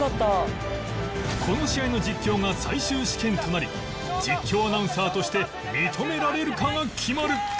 この試合の実況が最終試験となり実況アナウンサーとして認められるかが決まる！